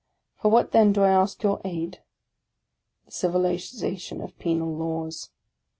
For what then do I ask your aid? The civilization of penal laws.